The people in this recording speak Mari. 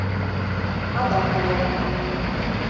Адак уло